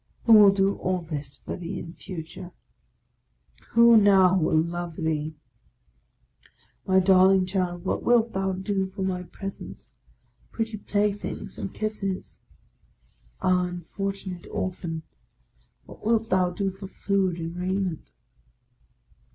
Who will do all this for thee in future ? Who now will love thee? My darling child, what wilt thou do for my presents, 78 THE LAST DAY pretty play things, and kisses? Ah, unfortunate Orphan! What wilt thou do for food and raiment?